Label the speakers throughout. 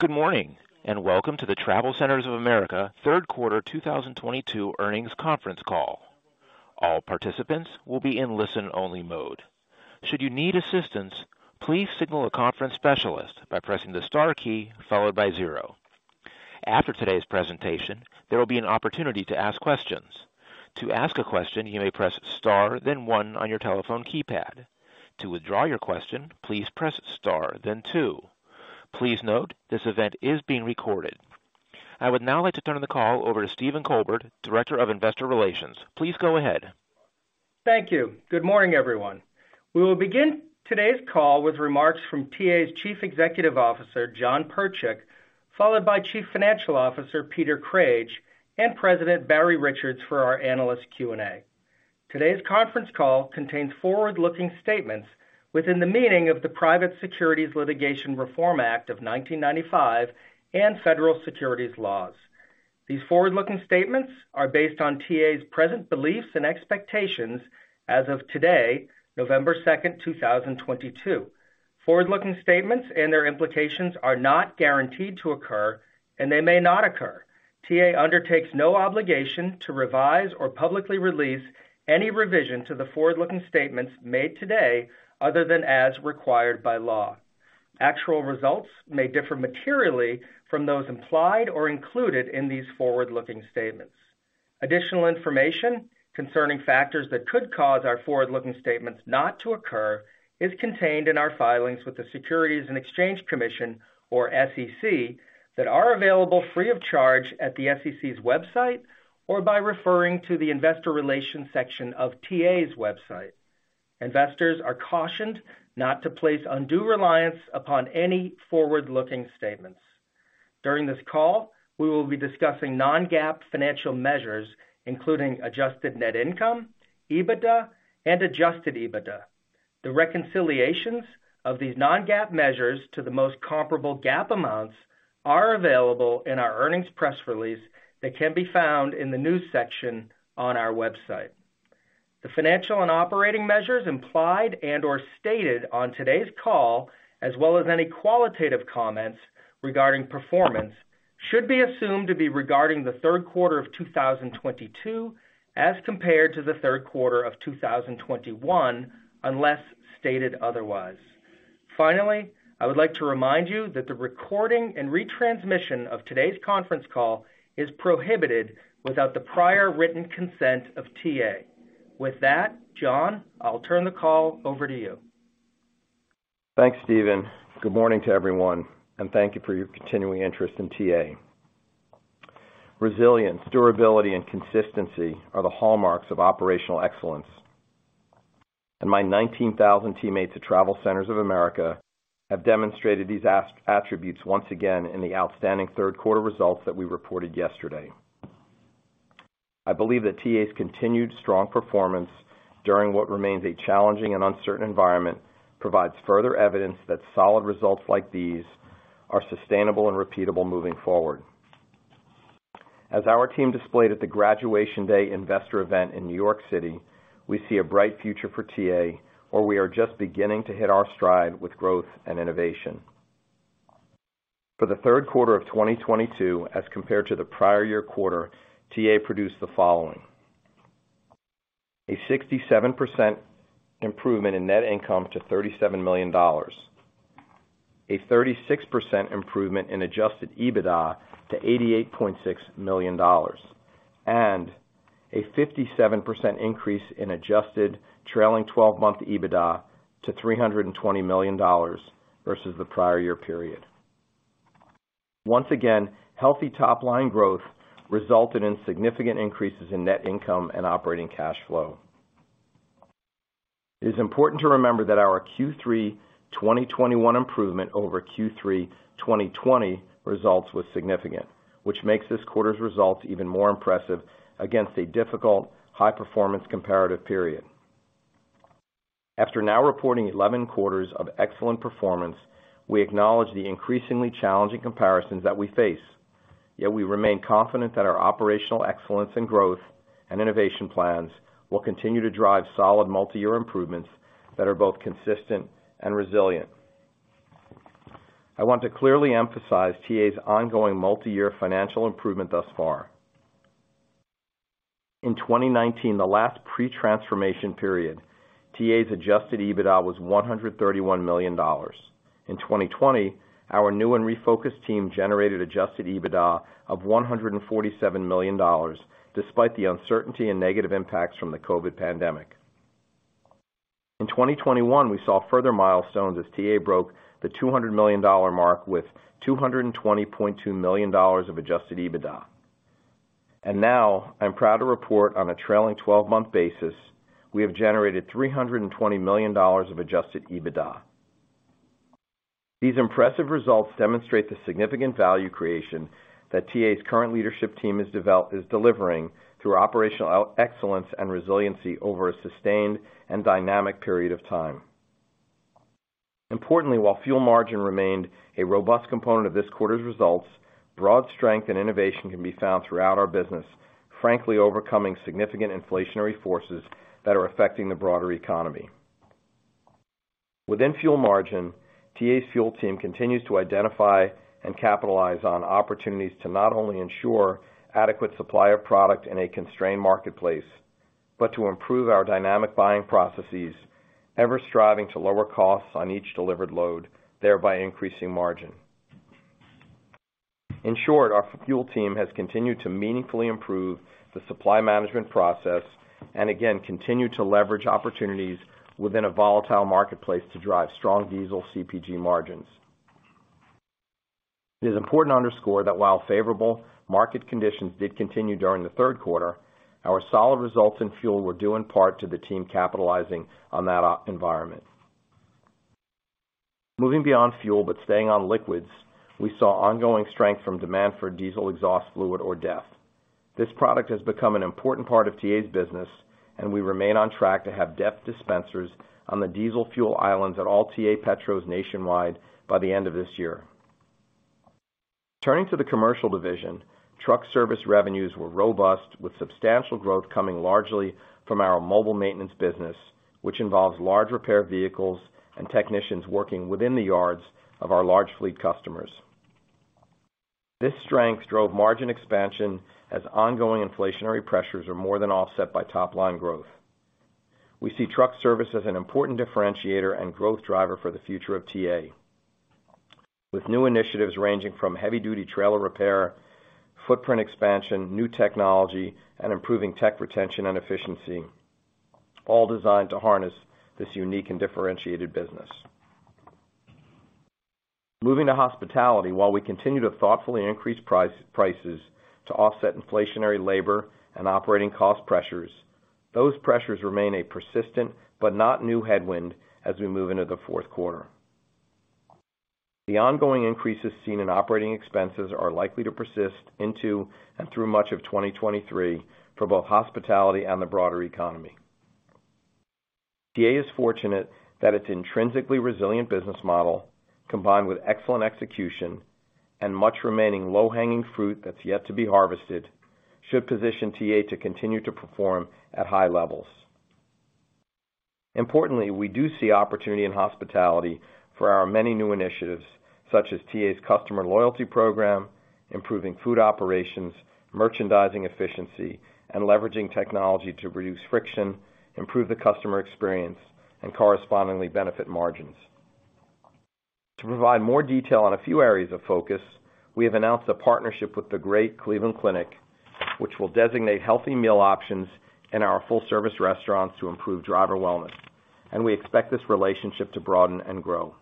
Speaker 1: Good morning, and welcome to the TravelCenters of America third quarter 2022 earnings conference call. All participants will be in listen-only mode. Should you need assistance, please signal a conference specialist by pressing the star key followed by zero. After today's presentation, there will be an opportunity to ask questions. To ask a question, you may press star then one on your telephone keypad. To withdraw your question, please press star then two. Please note, this event is being recorded. I would now like to turn the call over to Stephen Colbert, Director of Investor Relations. Please go ahead.
Speaker 2: Thank you. Good morning, everyone. We will begin today's call with remarks from TA's Chief Executive Officer, Jonathan M. Pertchik, followed by Chief Financial Officer, Peter J. Crage, and President Barry Richards for our analyst Q&A. Today's conference call contains forward-looking statements within the meaning of the Private Securities Litigation Reform Act of 1995 and federal securities laws. These forward-looking statements are based on TA's present beliefs and expectations as of today, November 2nd, 2022. Forward-looking statements and their implications are not guaranteed to occur, and they may not occur. TA undertakes no obligation to revise or publicly release any revision to the forward-looking statements made today other than as required by law. Actual results may differ materially from those implied or included in these forward-looking statements. Additional information concerning factors that could cause our forward-looking statements not to occur is contained in our filings with the Securities and Exchange Commission or SEC that are available free of charge at the SEC's website or by referring to the investor relations section of TA's website. Investors are cautioned not to place undue reliance upon any forward-looking statements. During this call, we will be discussing non-GAAP financial measures, including adjusted net income, EBITDA and adjusted EBITDA. The reconciliations of these non-GAAP measures to the most comparable GAAP amounts are available in our earnings press release that can be found in the news section on our website. The financial and operating measures implied and/or stated on today's call, as well as any qualitative comments regarding performance, should be assumed to be regarding the third quarter of 2022 as compared to the third quarter of 2021, unless stated otherwise. Finally, I would like to remind you that the recording and retransmission of today's conference call is prohibited without the prior written consent of TA. With that, John, I'll turn the call over to you.
Speaker 3: Thanks, Stephen. Good morning to everyone, and thank you for your continuing interest in TA. Resilience, durability and consistency are the hallmarks of operational excellence, and my 19,000 teammates at TravelCenters of America have demonstrated these as attributes once again in the outstanding third quarter results that we reported yesterday. I believe that TA's continued strong performance during what remains a challenging and uncertain environment provides further evidence that solid results like these are sustainable and repeatable moving forward. As our team displayed at the Graduation Day investor event in New York City, we see a bright future for TA, where we are just beginning to hit our stride with growth and innovation. For the third quarter of 2022, as compared to the prior year quarter, TA produced the following. A 67% improvement in net income to $37 million, a 36% improvement in adjusted EBITDA to $88.6 million, and a 57% increase in adjusted trailing twelve-month EBITDA to $320 million versus the prior year period. Once again, healthy top line growth resulted in significant increases in net income and operating cash flow. It is important to remember that our Q3 2021 improvement over Q3 2020 results was significant, which makes this quarter's results even more impressive against a difficult high-performance comparative period. After now reporting 11 quarters of excellent performance, we acknowledge the increasingly challenging comparisons that we face. Yet we remain confident that our operational excellence in growth and innovation plans will continue to drive solid multi-year improvements that are both consistent and resilient. I want to clearly emphasize TA's ongoing multi-year financial improvement thus far. In 2019, the last pre-transformation period, TA's adjusted EBITDA was $131 million. In 2020, our new and refocused team generated adjusted EBITDA of $147 million, despite the uncertainty and negative impacts from the COVID pandemic. In 2021, we saw further milestones as TA broke the $200 million mark with $220.2 million of adjusted EBITDA. Now I'm proud to report on a trailing twelve-month basis, we have generated $320 million of adjusted EBITDA. These impressive results demonstrate the significant value creation that TA's current leadership team is delivering through operational excellence and resiliency over a sustained and dynamic period of time. Importantly, while fuel margin remained a robust component of this quarter's results, broad strength and innovation can be found throughout our business, frankly overcoming significant inflationary forces that are affecting the broader economy. Within fuel margin, TA's fuel team continues to identify and capitalize on opportunities to not only ensure adequate supply of product in a constrained marketplace, but to improve our dynamic buying processes, ever striving to lower costs on each delivered load, thereby increasing margin. In short, our fuel team has continued to meaningfully improve the supply management process and again, continue to leverage opportunities within a volatile marketplace to drive strong diesel CPG margins. It is important to underscore that while favorable market conditions did continue during the third quarter, our solid results in fuel were due in part to the team capitalizing on that operating environment. Moving beyond fuel but staying on liquids, we saw ongoing strength from demand for Diesel Exhaust Fluid or DEF. This product has become an important part of TA's business, and we remain on track to have DEF dispensers on the diesel fuel islands at all TA Petros nationwide by the end of this year. Turning to the commercial division, truck service revenues were robust with substantial growth coming largely from our mobile maintenance business, which involves large repair vehicles and technicians working within the yards of our large fleet customers. This strength drove margin expansion as ongoing inflationary pressures are more than offset by top line growth. We see truck service as an important differentiator and growth driver for the future of TA, with new initiatives ranging from heavy duty trailer repair, footprint expansion, new technology, and improving tech retention and efficiency, all designed to harness this unique and differentiated business. Moving to hospitality, while we continue to thoughtfully increase prices to offset inflationary labor and operating cost pressures, those pressures remain a persistent but not new headwind as we move into the fourth quarter. The ongoing increases seen in operating expenses are likely to persist into and through much of 2023 for both hospitality and the broader economy. TA is fortunate that its intrinsically resilient business model, combined with excellent execution and much remaining low-hanging fruit that's yet to be harvested, should position TA to continue to perform at high levels. Importantly, we do see opportunity in hospitality for our many new initiatives, such as TA's customer loyalty program, improving food operations, merchandising efficiency, and leveraging technology to reduce friction, improve the customer experience, and correspondingly benefit margins. To provide more detail on a few areas of focus, we have announced a partnership with the great Cleveland Clinic, which will designate healthy meal options in our full service restaurants to improve driver wellness, and we expect this relationship to broaden and grow.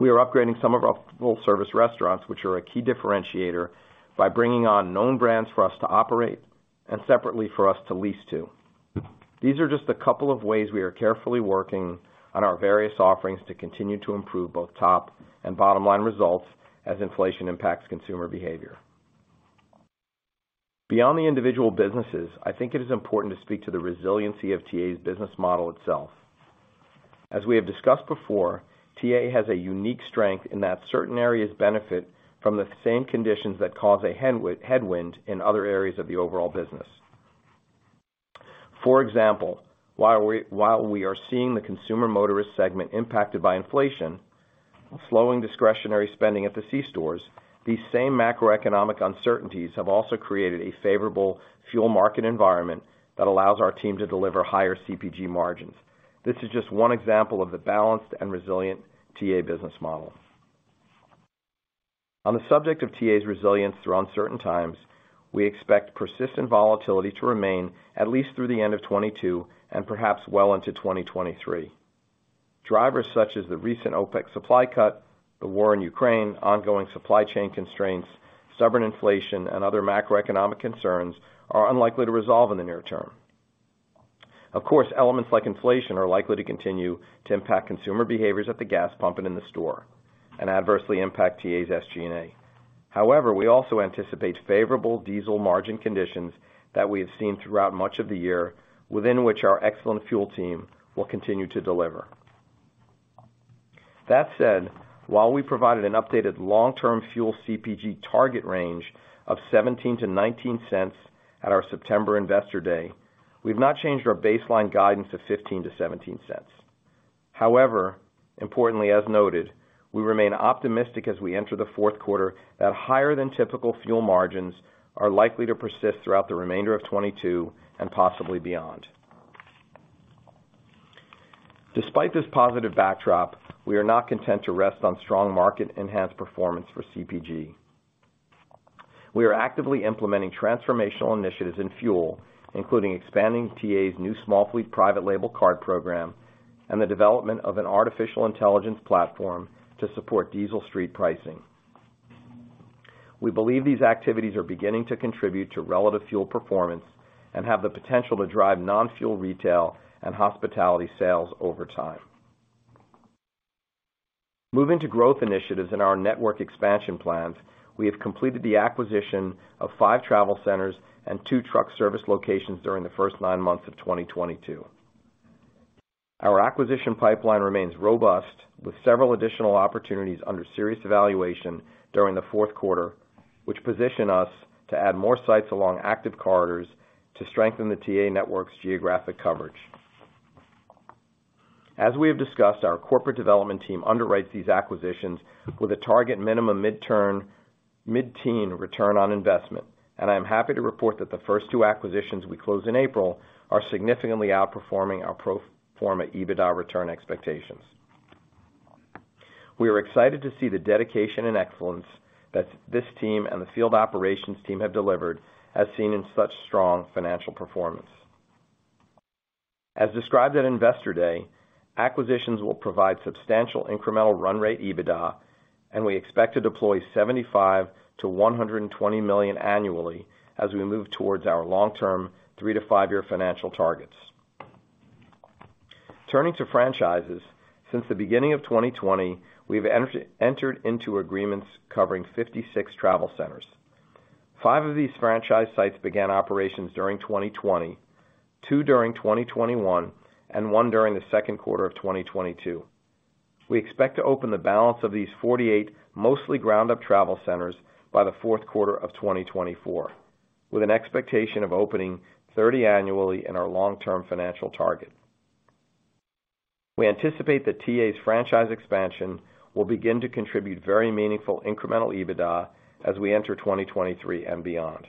Speaker 3: We are upgrading some of our full service restaurants, which are a key differentiator, by bringing on known brands for us to operate and separately for us to lease to. These are just a couple of ways we are carefully working on our various offerings to continue to improve both top and bottom line results as inflation impacts consumer behavior. Beyond the individual businesses, I think it is important to speak to the resiliency of TA's business model itself. As we have discussed before, TA has a unique strength in that certain areas benefit from the same conditions that cause a headwind in other areas of the overall business. For example, while we are seeing the consumer motorist segment impacted by inflation, slowing discretionary spending at the C stores, these same macroeconomic uncertainties have also created a favorable fuel market environment that allows our team to deliver higher CPG margins. This is just one example of the balanced and resilient TA business model. On the subject of TA's resilience through uncertain times, we expect persistent volatility to remain at least through the end of 2022 and perhaps well into 2023. Drivers such as the recent OPEC supply cut, the war in Ukraine, ongoing supply chain constraints, stubborn inflation, and other macroeconomic concerns are unlikely to resolve in the near term. Of course, elements like inflation are likely to continue to impact consumer behaviors at the gas pump and in the store, and adversely impact TA's SG&A. However, we also anticipate favorable diesel margin conditions that we have seen throughout much of the year, within which our excellent fuel team will continue to deliver. That said, while we provided an updated long-term fuel CPG target range of $0.17-$0.19 at our September Investor Day, we've not changed our baseline guidance of $0.15-$0.17. However, importantly, as noted, we remain optimistic as we enter the fourth quarter that higher than typical fuel margins are likely to persist throughout the remainder of 2022 and possibly beyond. Despite this positive backdrop, we are not content to rest on strong market enhanced performance for CPG. We are actively implementing transformational initiatives in fuel, including expanding TA's new small fleet private label card program and the development of an artificial intelligence platform to support diesel street pricing. We believe these activities are beginning to contribute to relative fuel performance and have the potential to drive non-fuel retail and hospitality sales over time. Moving to growth initiatives in our network expansion plans, we have completed the acquisition of five travel centers and two truck service locations during the first nine months of 2022. Our acquisition pipeline remains robust with several additional opportunities under serious evaluation during the fourth quarter, which position us to add more sites along active corridors to strengthen the TA Network's geographic coverage. As we have discussed, our corporate development team underwrites these acquisitions with a target minimum mid-teen return on investment, and I'm happy to report that the first two acquisitions we closed in April are significantly outperforming our pro forma EBITDA return expectations. We are excited to see the dedication and excellence that this team and the field operations team have delivered, as seen in such strong financial performance. As described at Investor Day, acquisitions will provide substantial incremental run rate EBITDA, and we expect to deploy $75 million-$120 million annually as we move towards our long-term three to five-year financial targets. Turning to franchises. Since the beginning of 2020, we've entered into agreements covering 56 travel centers. Five of these franchise sites began operations during 2020, two during 2021, and one during the second quarter of 2022. We expect to open the balance of these 48 mostly ground-up travel centers by the fourth quarter of 2024, with an expectation of opening 30 annually in our long-term financial target. We anticipate that TA's franchise expansion will begin to contribute very meaningful incremental EBITDA as we enter 2023 and beyond.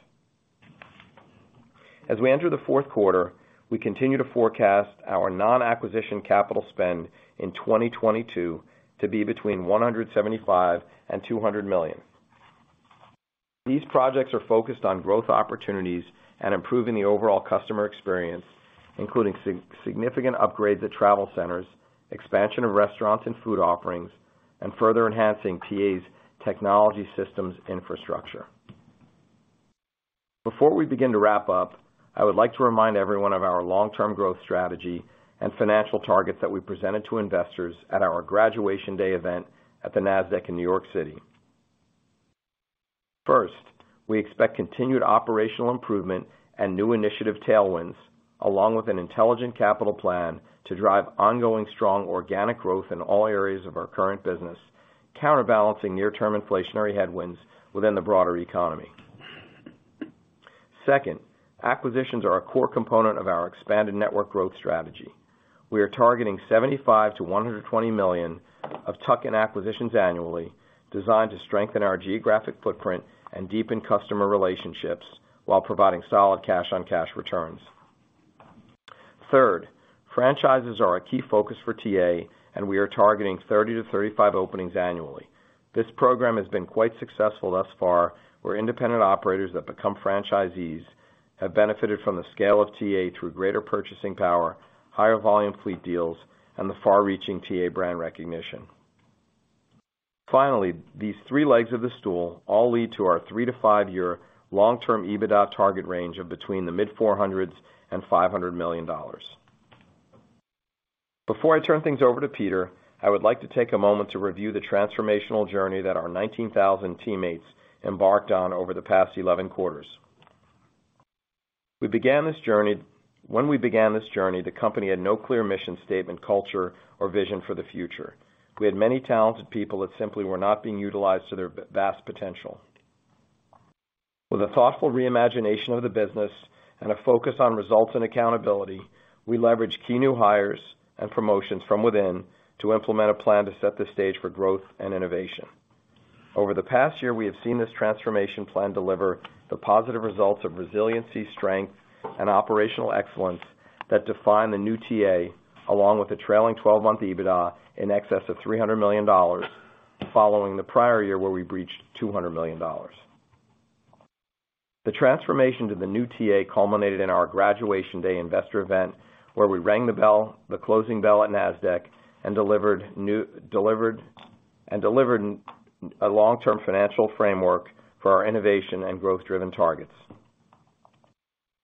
Speaker 3: As we enter the fourth quarter, we continue to forecast our non-acquisition capital spend in 2022 to be between $175 million and $200 million. These projects are focused on growth opportunities and improving the overall customer experience, including significant upgrades at travel centers, expansion of restaurants and food offerings, and further enhancing TA's technology systems infrastructure. Before we begin to wrap up, I would like to remind everyone of our long-term growth strategy and financial targets that we presented to investors at our Graduation Day event at the Nasdaq in New York City. First, we expect continued operational improvement and new initiative tailwinds, along with an intelligent capital plan to drive ongoing strong organic growth in all areas of our current business, counterbalancing near-term inflationary headwinds within the broader economy. Second, acquisitions are a core component of our expanded network growth strategy. We are targeting $75 million-$120 million of tuck-in acquisitions annually, designed to strengthen our geographic footprint and deepen customer relationships while providing solid cash-on-cash returns. Third, franchises are a key focus for TA, and we are targeting 30-35 openings annually. This program has been quite successful thus far, where independent operators that become franchisees have benefited from the scale of TA through greater purchasing power, higher volume fleet deals, and the far-reaching TA brand recognition. Finally, these three legs of the stool all lead to our three to five-year long-term EBITDA target range of between the mid-$400s and $500 million. Before I turn things over to Peter, I would like to take a moment to review the transformational journey that our 19,000 teammates embarked on over the past 11 quarters. When we began this journey, the company had no clear mission statement, culture, or vision for the future. We had many talented people that simply were not being utilized to their vast potential. With a thoughtful reimagination of the business and a focus on results and accountability, we leveraged key new hires and promotions from within to implement a plan to set the stage for growth and innovation. Over the past year, we have seen this transformation plan deliver the positive results of resiliency, strength, and operational excellence that define the new TA, along with the trailing twelve-month EBITDA in excess of $300 million following the prior year, where we breached $200 million. The transformation to the new TA culminated in our Graduation Day investor event, where we rang the bell, the closing bell at Nasdaq, and delivered a long-term financial framework for our innovation and growth-driven targets.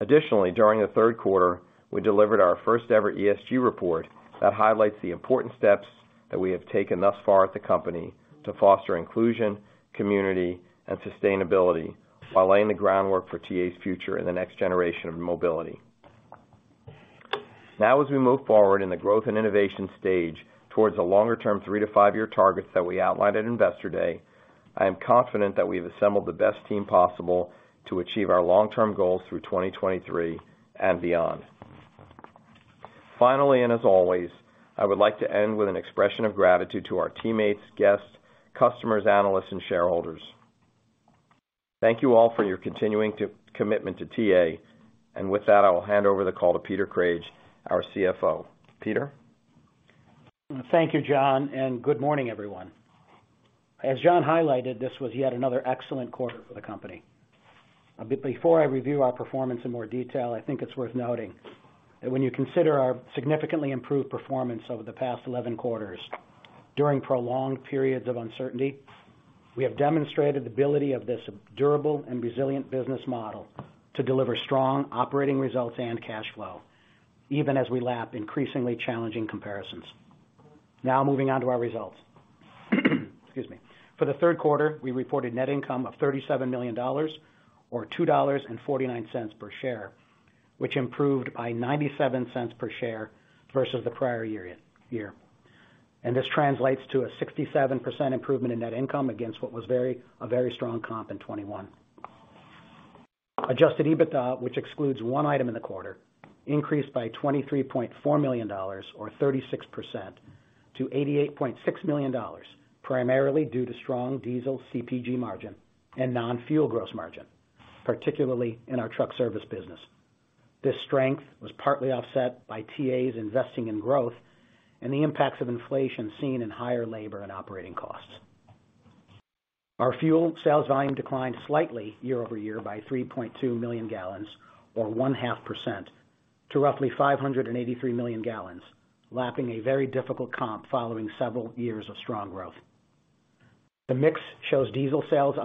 Speaker 3: Additionally, during the third quarter, we delivered our first ever ESG report that highlights the important steps that we have taken thus far at the company to foster inclusion, community, and sustainability while laying the groundwork for TA's future in the next generation of mobility. Now, as we move forward in the growth and innovation stage towards the longer-term three to five-year targets that we outlined at Graduation Day, I am confident that we've assembled the best team possible to achieve our long-term goals through 2023 and beyond. Finally, and as always, I would like to end with an expression of gratitude to our teammates, guests, customers, analysts, and shareholders. Thank you all for your commitment to TA. With that, I will hand over the call to Peter Crage, our CFO. Peter?
Speaker 4: Thank you, John, and good morning, everyone. As John highlighted, this was yet another excellent quarter for the company. A bit before I review our performance in more detail, I think it's worth noting that when you consider our significantly improved performance over the past 11 quarters during prolonged periods of uncertainty, we have demonstrated the ability of this durable and resilient business model to deliver strong operating results and cash flow, even as we lap increasingly challenging comparisons. Now, moving on to our results. Excuse me. For the third quarter, we reported net income of $37 million or $2.49 per share, which improved by $0.97 per share versus the prior year. This translates to a 67% improvement in net income against what was a very strong comp in 2021. Adjusted EBITDA, which excludes one item in the quarter, increased by $23.4 million or 36% to $88.6 million, primarily due to strong diesel CPG margin and non-fuel gross margin, particularly in our truck service business. This strength was partly offset by TA's investing in growth and the impacts of inflation seen in higher labor and operating costs. Our fuel sales volume declined slightly year-over-year by 3.2 million gallons or 0.5% to roughly 583 million gallons, lapping a very difficult comp following several years of strong growth. The mix shows diesel sales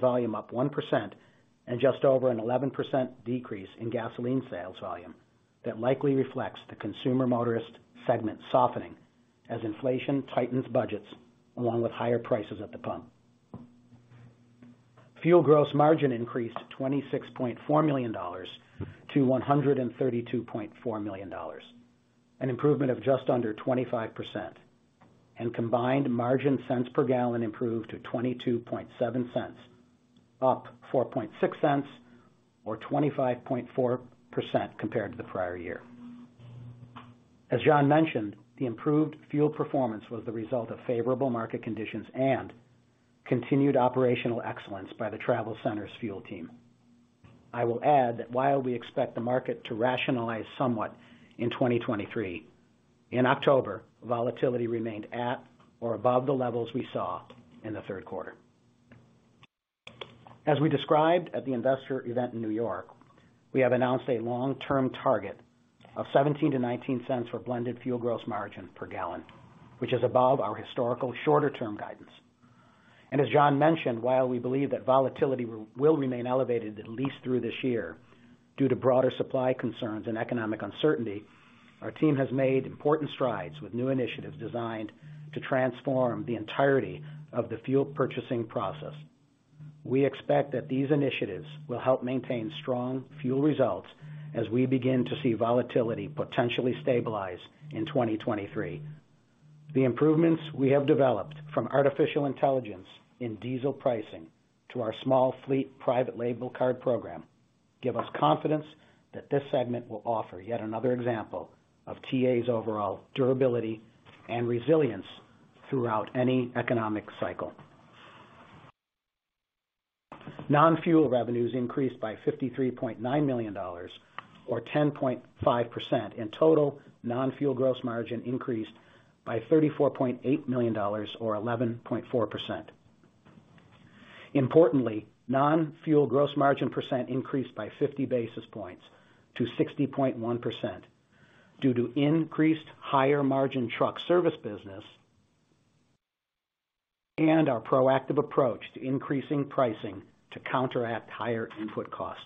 Speaker 4: volume up 1% and just over an 11% decrease in gasoline sales volume that likely reflects the consumer motorist segment softening as inflation tightens budgets along with higher prices at the pump. Fuel gross margin increased from $26.4 million to $132.4 million, an improvement of just under 25%, and combined margin improved to $0.227 per gallon, up $0.046 or 25.4% compared to the prior year. John mentioned, the improved fuel performance was the result of favorable market conditions and continued operational excellence by the TravelCenters' fuel team. I will add that while we expect the market to rationalize somewhat in 2023, in October, volatility remained at or above the levels we saw in the third quarter. We described at the investor event in New York, we have announced a long-term target of $0.17-$0.19 for blended fuel gross margin per gallon, which is above our historical shorter-term guidance. As John mentioned, while we believe that volatility will remain elevated at least through this year due to broader supply concerns and economic uncertainty, our team has made important strides with new initiatives designed to transform the entirety of the fuel purchasing process. We expect that these initiatives will help maintain strong fuel results as we begin to see volatility potentially stabilize in 2023. The improvements we have developed from artificial intelligence in diesel pricing to our small fleet private label card program give us confidence that this segment will offer yet another example of TA's overall durability and resilience throughout any economic cycle. Non-fuel revenues increased by $53.9 million or 10.5%. In total, non-fuel gross margin increased by $34.8 million or 11.4%. Importantly, non-fuel gross margin percent increased by 50 basis points to 60.1% due to increased higher margin truck service business and our proactive approach to increasing pricing to counteract higher input costs.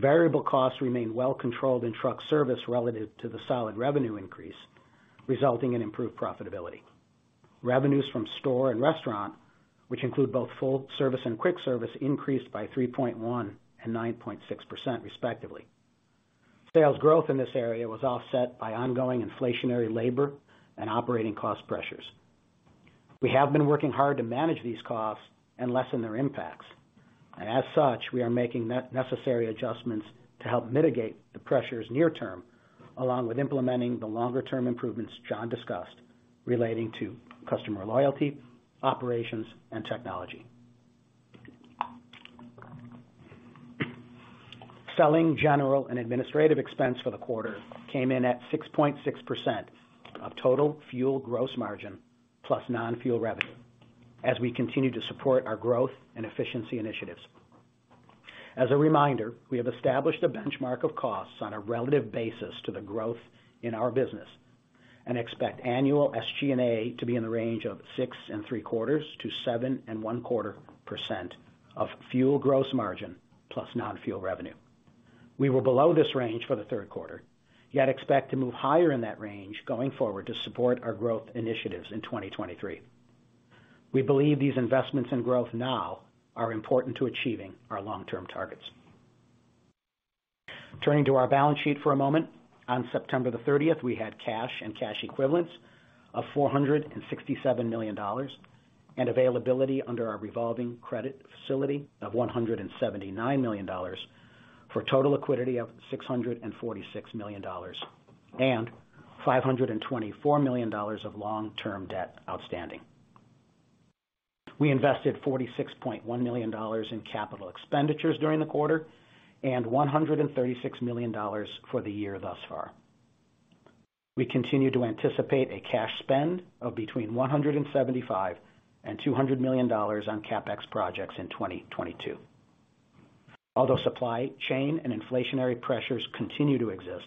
Speaker 4: Variable costs remain well controlled in truck service relative to the solid revenue increase, resulting in improved profitability. Revenues from store and restaurant, which include both full service and quick service, increased by 3.1% and 9.6% respectively. Sales growth in this area was offset by ongoing inflationary labor and operating cost pressures. We have been working hard to manage these costs and lessen their impacts. As such, we are making necessary adjustments to help mitigate the pressures near term, along with implementing the longer-term improvements John discussed relating to customer loyalty, operations, and technology. Selling, general, and administrative expense for the quarter came in at 6.6% of total fuel gross margin plus non-fuel revenue as we continue to support our growth and efficiency initiatives. As a reminder, we have established a benchmark of costs on a relative basis to the growth in our business and expect annual SG&A to be in the range of 6.75%-7.25% of fuel gross margin plus non-fuel revenue. We were below this range for the third quarter, yet expect to move higher in that range going forward to support our growth initiatives in 2023. We believe these investments in growth now are important to achieving our long-term targets. Turning to our balance sheet for a moment. On September 30th, we had cash and cash equivalents of $467 million and availability under our revolving credit facility of $179 million, for total liquidity of $646 million and $524 million of long-term debt outstanding. We invested $46.1 million in capital expenditures during the quarter and $136 million for the year thus far. We continue to anticipate a cash spend of between $175 million and $200 million on CapEx projects in 2022. Although supply chain and inflationary pressures continue to exist,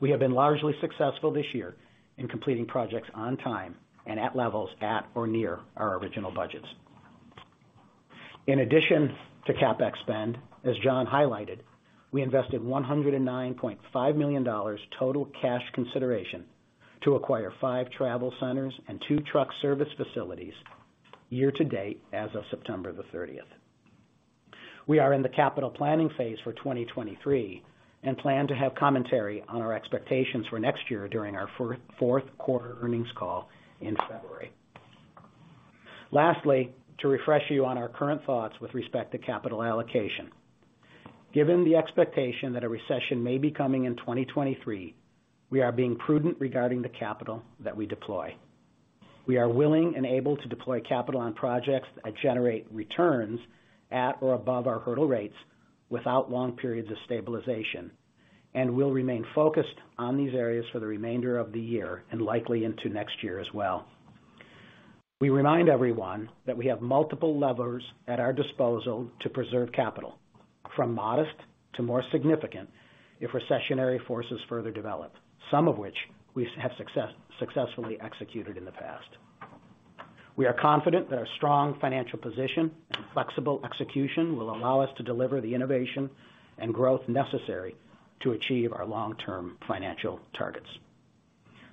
Speaker 4: we have been largely successful this year in completing projects on time and at levels at or near our original budgets. In addition to CapEx spend, as John highlighted, we invested $109.5 million total cash consideration to acquire five travel centers and two truck service facilities year to date as of September 30th. We are in the capital planning phase for 2023, and plan to have commentary on our expectations for next year during our fourth quarter earnings call in February. Lastly, to refresh you on our current thoughts with respect to capital allocation. Given the expectation that a recession may be coming in 2023, we are being prudent regarding the capital that we deploy. We are willing and able to deploy capital on projects that generate returns at or above our hurdle rates without long periods of stabilization, and we'll remain focused on these areas for the remainder of the year and likely into next year as well. We remind everyone that we have multiple levers at our disposal to preserve capital, from modest to more significant if recessionary forces further develop, some of which we have successfully executed in the past. We are confident that our strong financial position and flexible execution will allow us to deliver the innovation and growth necessary to achieve our long-term financial targets.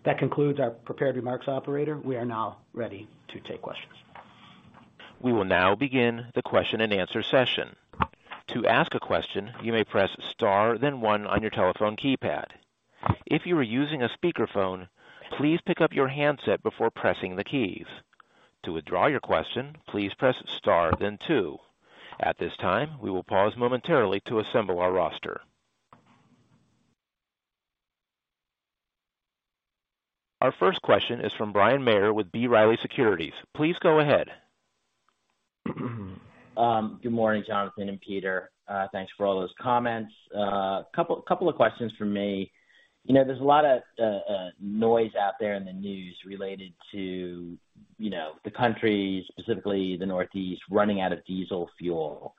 Speaker 4: That concludes our prepared remarks, operator. We are now ready to take questions.
Speaker 1: We will now begin the question and answer session. To ask a question, you may press Star, then one on your telephone keypad. If you are using a speakerphone, please pick up your handset before pressing the keys. To withdraw your question, please press Star then two. At this time, we will pause momentarily to assemble our roster. Our first question is from Bryan Maher with B. Riley Securities. Please go ahead.
Speaker 5: Good morning, Jonathan and Peter. Thanks for all those comments. A couple of questions from me. You know, there's a lot of noise out there in the news related to, you know, the country, specifically the Northeast, running out of diesel fuel.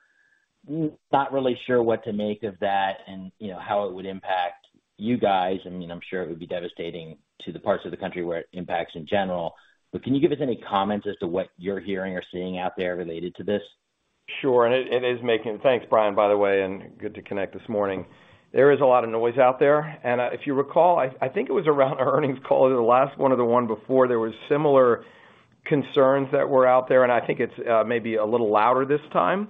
Speaker 5: Not really sure what to make of that and, you know, how it would impact you guys. I mean, I'm sure it would be devastating to the parts of the country where it impacts in general. Can you give us any comments as to what you're hearing or seeing out there related to this?
Speaker 3: Sure. Thanks, Bryan, by the way, and good to connect this morning. There is a lot of noise out there. If you recall, I think it was around our earnings call or the last one or the one before, there was similar concerns that were out there, and I think it's maybe a little louder this time.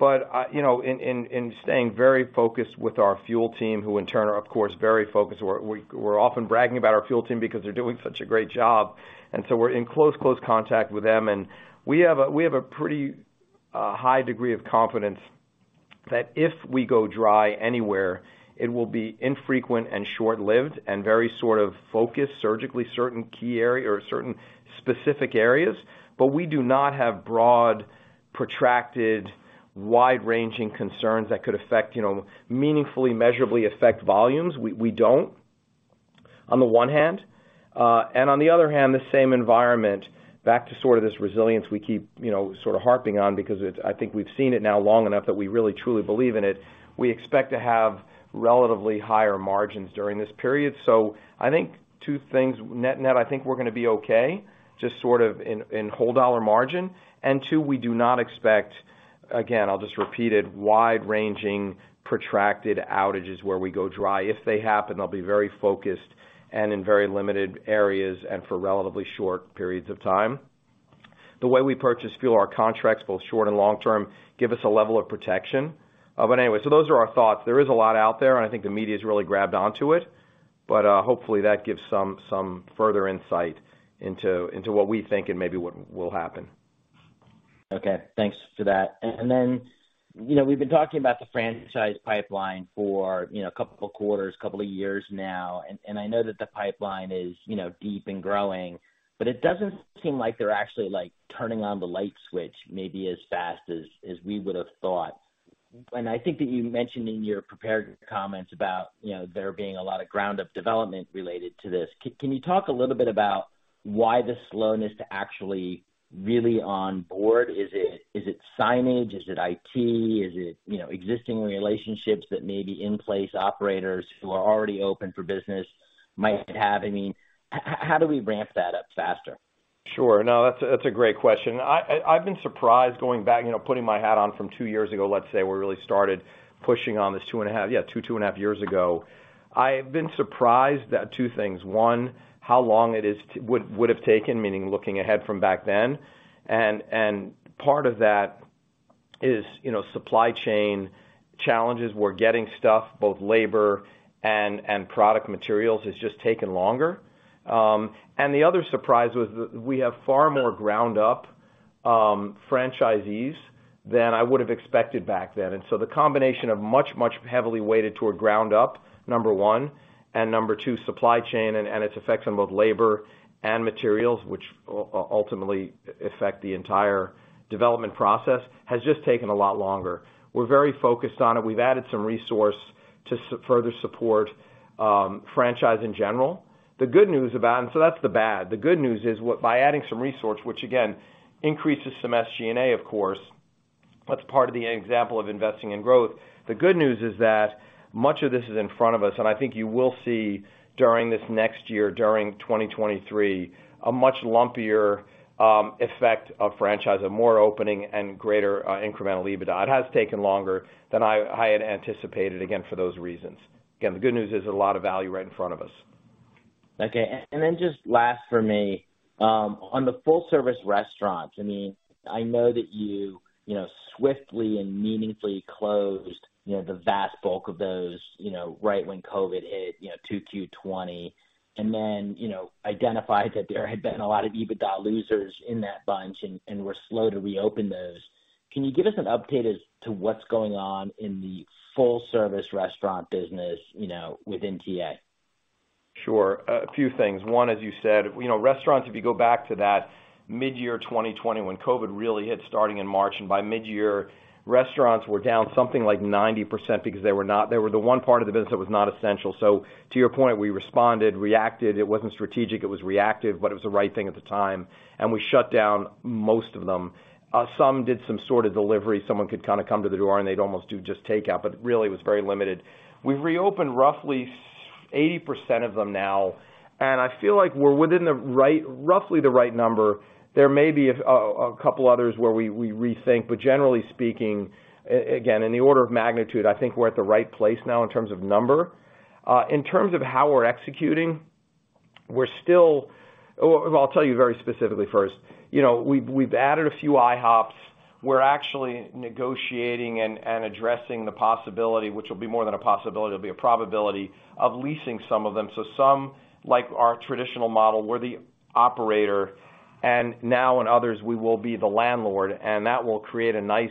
Speaker 3: In staying very focused with our fuel team, who in turn are of course very focused. We're often bragging about our fuel team because they're doing such a great job. We're in close contact with them. We have a pretty high degree of confidence that if we go dry anywhere, it will be infrequent and short-lived and very sort of focused surgically, certain key area or certain specific areas. We do not have broad, protracted, wide-ranging concerns that could affect, you know, meaningfully, measurably affect volumes. We don't, on the one hand. On the other hand, the same environment, back to sort of this resilience we keep, you know, sort of harping on because it I think we've seen it now long enough that we really, truly believe in it. We expect to have relatively higher margins during this period. So I think two things. Net-net, I think we're gonna be okay, just sort of in whole dollar margin. Two, we do not expect, again, I'll just repeat it, wide-ranging, protracted outages where we go dry. If they happen, they'll be very focused and in very limited areas and for relatively short periods of time. The way we purchase fuel, our contracts, both short and long-term, give us a level of protection. Anyway, those are our thoughts. There is a lot out there, and I think the media's really grabbed onto it. Hopefully that gives some further insight into what we think and maybe what will happen.
Speaker 5: Okay. Thanks for that. Then, you know, we've been talking about the franchise pipeline for, you know, a couple of quarters, couple of years now. I know that the pipeline is, you know, deep and growing, but it doesn't seem like they're actually, like, turning on the light switch maybe as fast as we would've thought. I think that you mentioned in your prepared comments about, you know, there being a lot of ground up development related to this. Can you talk a little bit about why the slowness to actually really on board? Is it signage? Is it IT? Is it, you know, existing relationships that may be in place, operators who are already open for business might have? I mean, how do we ramp that up faster?
Speaker 3: Sure. No, that's a great question. I've been surprised going back, you know, putting my hat on from two years ago. Let's say, we really started pushing on this two and a half years ago. I've been surprised at two things. One, how long it would have taken, meaning looking ahead from back then. Part of that is, you know, supply chain challenges. We're getting stuff, both labor and product materials has just taken longer. The other surprise was we have far more ground up franchisees than I would have expected back then. The combination of much heavily weighted toward ground up, number one, and number two, supply chain and its effects on both labor and materials, which ultimately affect the entire development process, has just taken a lot longer. We're very focused on it. We've added some resource to further support franchise in general. That's the bad. The good news is by adding some resource, which again increases some SG&A, of course, that's part of the example of investing in growth. The good news is that much of this is in front of us, and I think you will see during this next year, during 2023, a much lumpier effect of franchise, a more opening and greater incremental EBITDA. It has taken longer than I had anticipated, again, for those reasons. Again, the good news is there's a lot of value right in front of us.
Speaker 5: Just last for me on the full service restaurants. I mean, I know that you know swiftly and meaningfully closed the vast bulk of those right when COVID hit 2Q 2020 and then identified that there had been a lot of EBITDA losers in that bunch and were slow to reopen those. Can you give us an update as to what's going on in the full service restaurant business within TA?
Speaker 3: Sure. A few things. One, as you said, you know, restaurants, if you go back to that mid-year 2020 when COVID really hit starting in March, and by mid-year, restaurants were down something like 90% because they were not, they were the one part of the business that was not essential. To your point, we responded, reacted. It wasn't strategic, it was reactive, but it was the right thing at the time, and we shut down most of them. Some did some sort of delivery. Someone could kind of come to the door, and they'd almost do just takeout, but really it was very limited. We've reopened roughly 80% of them now, and I feel like we're within the right, roughly the right number. There may be a couple others where we rethink, but generally speaking, again, in the order of magnitude, I think we're at the right place now in terms of number. In terms of how we're executing. Well, I'll tell you very specifically first. You know, we've added a few IHOPs. We're actually negotiating and addressing the possibility, which will be more than a possibility, it'll be a probability of leasing some of them. Some, like our traditional model, we're the operator, and now in others, we will be the landlord, and that will create a nice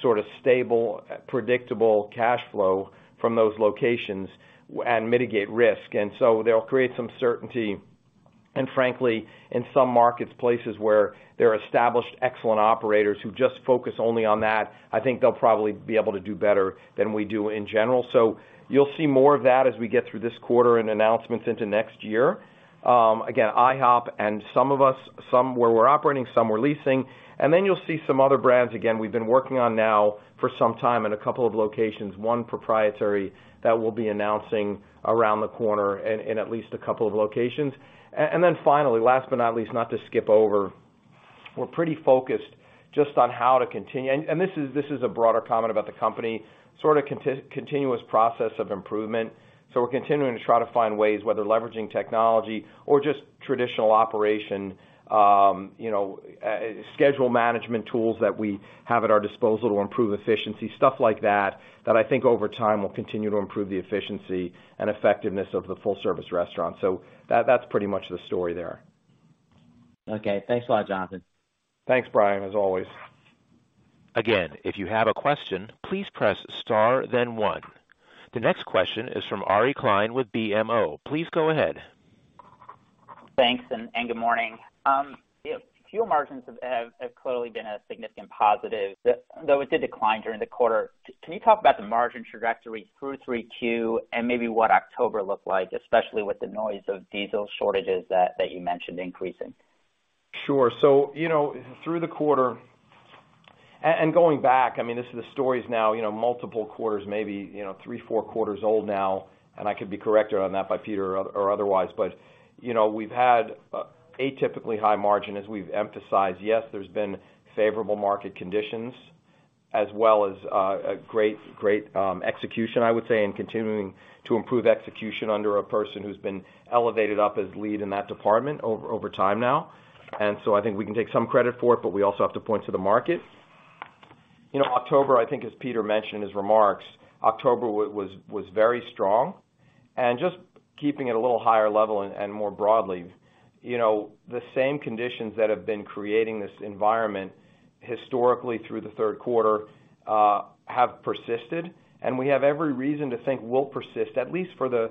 Speaker 3: sort of stable, predictable cash flow from those locations and mitigate risk. They'll create some certainty, and frankly, in some markets, places where there are established excellent operators who just focus only on that, I think they'll probably be able to do better than we do in general. You'll see more of that as we get through this quarter and announcements into next year. Again, IHOP and some of us, some where we're operating, some we're leasing. You'll see some other brands, again, we've been working on now for some time in a couple of locations, one proprietary that we'll be announcing around the corner in at least a couple of locations. Finally, last but not least, not to skip over, we're pretty focused just on how to continue. This is a broader comment about the company, sort of continuous process of improvement. We're continuing to try to find ways, whether leveraging technology or just traditional operation, you know, schedule management tools that we have at our disposal to improve efficiency, stuff like that I think over time will continue to improve the efficiency and effectiveness of the full service restaurant. That, that's pretty much the story there.
Speaker 5: Okay. Thanks a lot, Jonathan.
Speaker 3: Thanks, Bryan, as always.
Speaker 1: Again, if you have a question, please press star then one. The next question is from Ari Klein with BMO. Please go ahead.
Speaker 6: Thanks, good morning. Yeah, fuel margins have clearly been a significant positive, though it did decline during the quarter. Can you talk about the margin trajectory through Q3 and maybe what October looked like, especially with the noise of diesel shortages that you mentioned increasing?
Speaker 3: Sure. You know, through the quarter and going back, I mean, this is the story now, you know, multiple quarters, maybe, you know, three, four quarters old now, and I could be corrected on that by Peter or otherwise, but, you know, we've had atypically high margin, as we've emphasized. Yes, there's been favorable market conditions as well as a great execution, I would say, in continuing to improve execution under a person who's been elevated up as lead in that department over time now. I think we can take some credit for it, but we also have to point to the market. You know, October, I think as Peter mentioned in his remarks, October was very strong. Just keeping it a little higher level and more broadly, you know, the same conditions that have been creating this environment historically through the third quarter have persisted, and we have every reason to think will persist, at least for the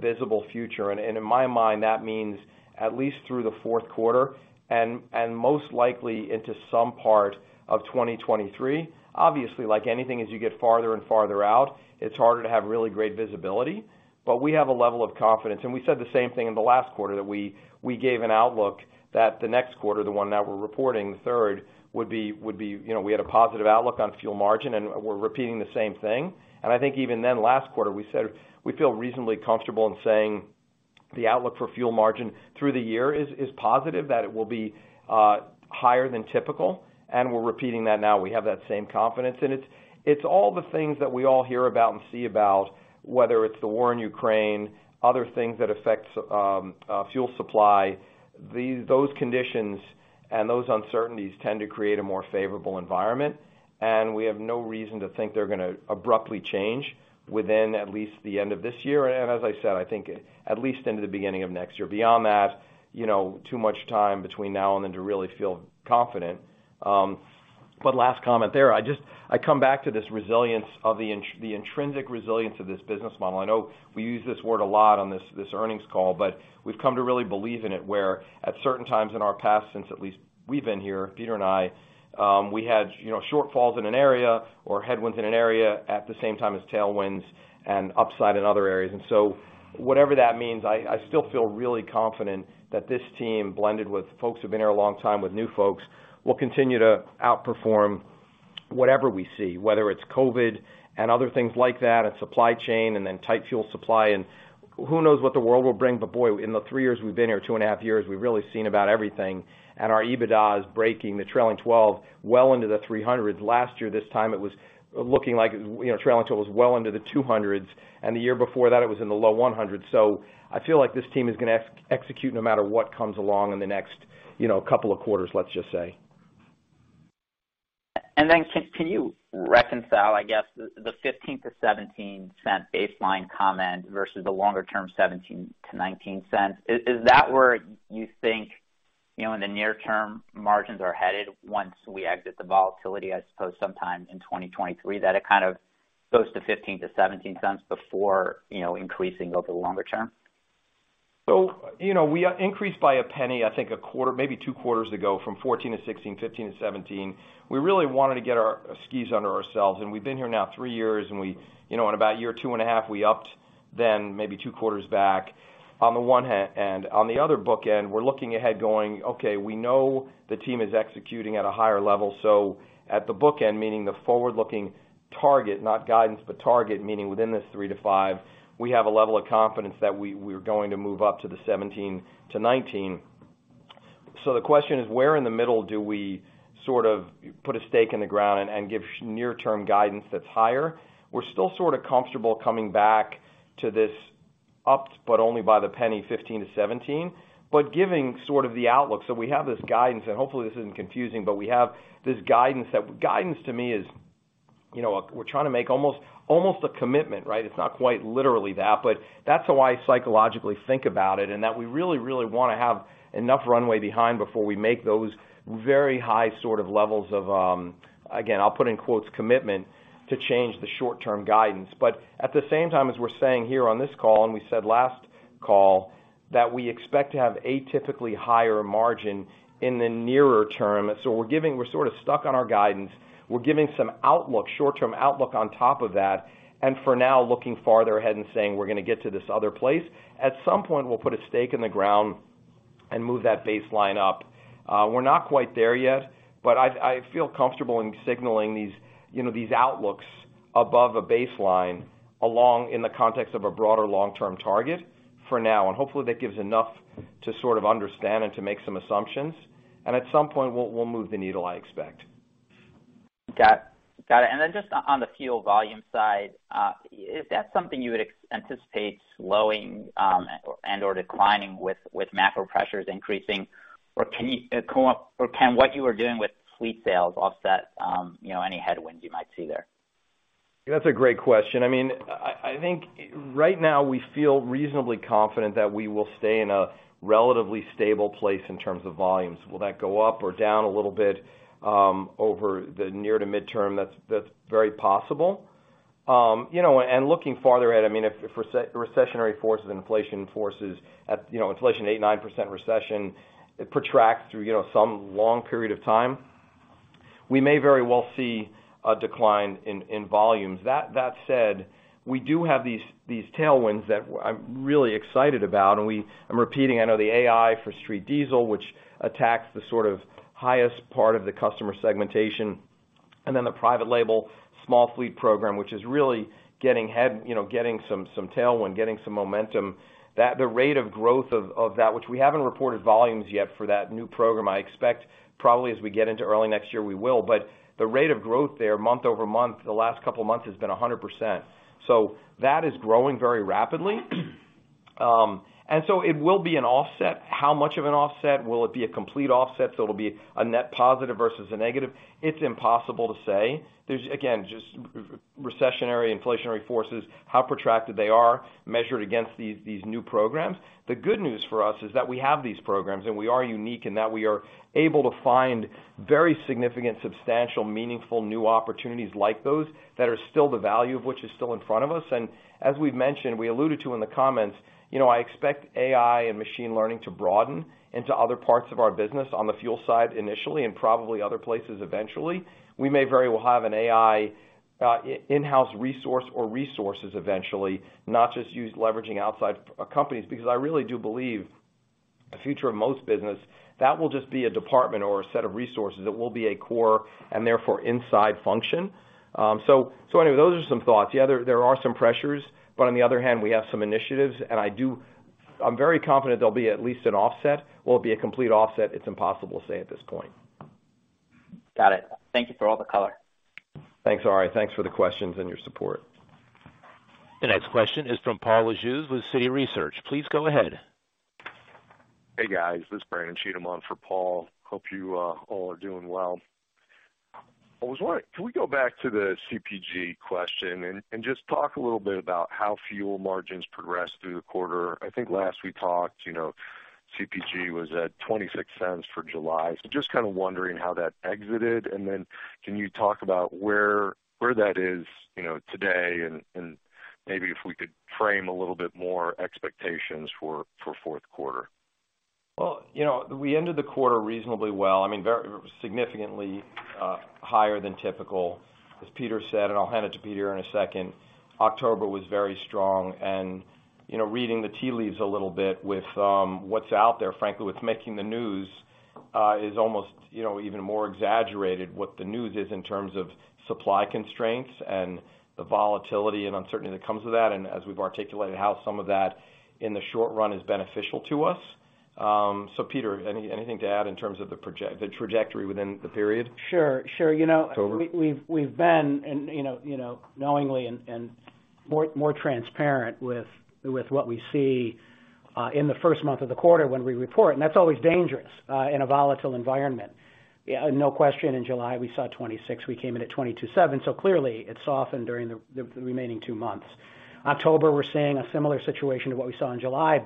Speaker 3: visible future. In my mind, that means at least through the fourth quarter and most likely into some part of 2023. Obviously, like anything, as you get farther and farther out, it's harder to have really great visibility. We have a level of confidence, and we said the same thing in the last quarter that we gave an outlook that the next quarter, the one that we're reporting, the third, would be. You know, we had a positive outlook on fuel margin, and we're repeating the same thing. I think even then last quarter, we said we feel reasonably comfortable in saying the outlook for fuel margin through the year is positive, that it will be higher than typical, and we're repeating that now. We have that same confidence. It's all the things that we all hear about and see about, whether it's the war in Ukraine, other things that affect fuel supply, those conditions and those uncertainties tend to create a more favorable environment, and we have no reason to think they're gonna abruptly change within at least the end of this year. As I said, I think at least into the beginning of next year. Beyond that, you know, too much time between now and then to really feel confident. Last comment there, I come back to this resilience of the intrinsic resilience of this business model. I know we use this word a lot on this earnings call, but we've come to really believe in it, where at certain times in our past, since at least we've been here, Peter and I, we had, you know, shortfalls in an area or headwinds in an area at the same time as tailwinds and upside in other areas. Whatever that means, I still feel really confident that this team, blended with folks who've been here a long time with new folks, will continue to outperform whatever we see, whether it's COVID and other things like that, and supply chain and then tight fuel supply. Who knows what the world will bring, but boy, in the three years we've been here, two and a half years, we've really seen about everything. Our EBITDA is breaking the trailing twelve well into the 300s. Last year, this time it was looking like, you know, trailing twelve was well into the 200s, and the year before that it was in the low 100. I feel like this team is gonna execute no matter what comes along in the next, you know, couple of quarters, let's just say.
Speaker 6: Can you reconcile, I guess, the $0.15-$0.17 baseline comment versus the longer term $0.17-$0.19? Is that where you think, you know, in the near term margins are headed once we exit the volatility, I suppose, sometime in 2023, that it kind of goes to $0.15-$0.17 before, you know, increasing over the longer term?
Speaker 3: You know, we increased by $0.01, I think a quarter, maybe two quarters ago from $0.14-$0.16, $0.15 to $0.17. We really wanted to get our skis under ourselves, and we've been here now three years, and we, you know, in about a year, 2.5, we upped then maybe two quarters back on the one hand. On the other bookend, we're looking ahead going, okay, we know the team is executing at a higher level. At the bookend, meaning the forward-looking target, not guidance, but target, meaning within this three to five, we have a level of confidence that we're going to move up to the $0.17-$0.19. The question is, where in the middle do we sort of put a stake in the ground and give near-term guidance that's higher? We're still sort of comfortable coming back to this up, but only by a penny 15-17, but giving sort of the outlook. We have this guidance, and hopefully this isn't confusing, but we have this guidance that. Guidance to me is, you know, we're trying to make almost a commitment, right? It's not quite literally that, but that's how I psychologically think about it, and that we really wanna have enough runway behind before we make those very high sort of levels of, again, I'll put in quotes, "commitment" to change the short-term guidance. At the same time, as we're saying here on this call, and we said last call, that we expect to have atypically higher margin in the nearer term. We're sort of stuck on our guidance. We're giving some outlook, short-term outlook on top of that, and for now, looking farther ahead and saying, we're gonna get to this other place. At some point, we'll put a stake in the ground and move that baseline up. We're not quite there yet, but I feel comfortable in signaling these, you know, these outlooks above a baseline along in the context of a broader long-term target for now. Hopefully that gives enough to sort of understand and to make some assumptions. At some point, we'll move the needle, I expect.
Speaker 6: Got it. Just on the fuel volume side, is that something you would anticipate slowing, and/or declining with macro pressures increasing? Or can what you are doing with fleet sales offset, you know, any headwinds you might see there?
Speaker 3: That's a great question. I mean, I think right now we feel reasonably confident that we will stay in a relatively stable place in terms of volumes. Will that go up or down a little bit over the near to midterm? That's very possible. You know, looking farther ahead, I mean, if recessionary forces and inflationary forces at you know inflation 8%-9% recession it protracts through you know some long period of time, we may very well see a decline in volumes. That said, we do have these tailwinds that I'm really excited about, and I'm repeating, I know the AI for street diesel, which attacks the sort of highest part of the customer segmentation, and then the private label small fleet program, which is really getting headway, you know, getting some tailwind, getting some momentum, that the rate of growth of that, which we haven't reported volumes yet for that new program. I expect probably as we get into early next year, we will. The rate of growth there month-over-month, the last couple of months has been 100%. That is growing very rapidly. It will be an offset. How much of an offset? Will it be a complete offset, so it'll be a net positive versus a negative? It's impossible to say. There's again, just recessionary, inflationary forces, how protracted they are measured against these new programs. The good news for us is that we have these programs, and we are unique in that we are able to find very significant, substantial, meaningful new opportunities like those that are still the value of which is still in front of us. As we've mentioned, we alluded to in the comments, you know, I expect AI and machine learning to broaden into other parts of our business on the fuel side initially and probably other places eventually. We may very well have an AI, in-house resource or resources eventually, not just use leveraging outside companies, because I really do believe the future of most business, that will just be a department or a set of resources. It will be a core and therefore inside function. Anyway, those are some thoughts. Yeah, there are some pressures, but on the other hand, we have some initiatives, and I do, I'm very confident there'll be at least an offset. Will it be a complete offset? It's impossible to say at this point.
Speaker 6: Got it. Thank you for all the color.
Speaker 3: Thanks, Ari. Thanks for the questions and your support.
Speaker 1: The next question is from Paul Lejuez with Citi Research. Please go ahead.
Speaker 7: Hey, guys, this is Brandon Cheatham on for Paul. Hope you all are doing well. I was wondering, can we go back to the CPG question and just talk a little bit about how fuel margins progressed through the quarter? I think last we talked, you know, CPG was at $0.26 for July. So just kinda wondering how that exited. Then can you talk about where that is, you know, today and maybe if we could frame a little bit more expectations for fourth quarter?
Speaker 3: Well, you know, we ended the quarter reasonably well. I mean, significantly higher than typical, as Peter said, and I'll hand it to Peter in a second. October was very strong and, you know, reading the tea leaves a little bit with what's out there, frankly, what's making the news is almost, you know, even more exaggerated what the news is in terms of supply constraints and the volatility and uncertainty that comes with that. As we've articulated, how some of that in the short run is beneficial to us. So Peter, anything to add in terms of the trajectory within the period?
Speaker 4: Sure. You know,
Speaker 3: It's over?
Speaker 4: We've been, you know, knowingly and More transparent with what we see in the first month of the quarter when we report, and that's always dangerous in a volatile environment. Yeah, no question in July, we saw 26, we came in at 22.7. Clearly it softened during the remaining two months. October, we're seeing a similar situation to what we saw in July.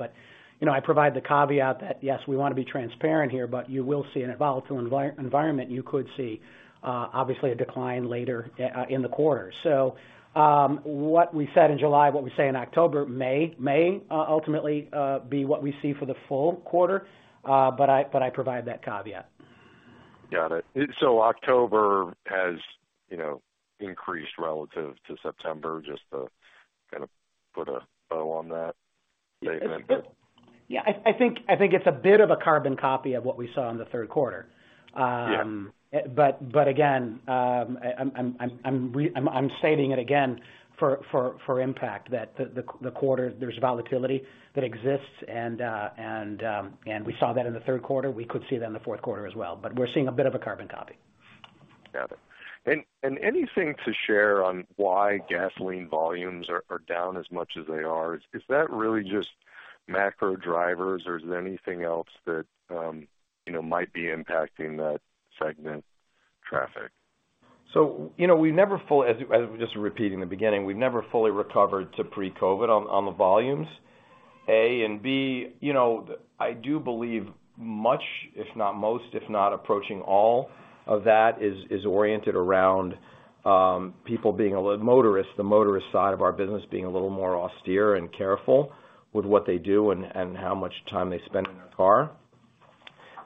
Speaker 4: You know, I provide the caveat that, yes, we wanna be transparent here, but you will see in a volatile environment, you could see obviously a decline later in the quarter. What we said in July, what we say in October may ultimately be what we see for the full quarter. But I provide that caveat.
Speaker 7: Got it. October has, you know, increased relative to September, just to kinda put a bow on that statement.
Speaker 4: Yeah. I think it's a bit of a carbon copy of what we saw in the third quarter.
Speaker 7: Yeah.
Speaker 4: Again, I'm stating it again for impact that the quarter there's volatility that exists and we saw that in the third quarter. We could see that in the fourth quarter as well. We're seeing a bit of a carbon copy.
Speaker 7: Got it. Anything to share on why gasoline volumes are down as much as they are? Is that really just macro drivers, or is there anything else that you know might be impacting that segment traffic?
Speaker 3: You know, we've never fully recovered to pre-COVID on the volumes, A. B, you know, I do believe much, if not most, if not approaching all of that is oriented around motorists, the motorist side of our business being a little more austere and careful with what they do and how much time they spend in their car.